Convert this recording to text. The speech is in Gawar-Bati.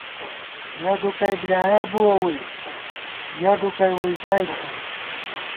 یَہ ڈُکَئی بۡلیایَہ بُوَہ ووئی ، یَہ ڈُکَئی ووئی ژائی تھنی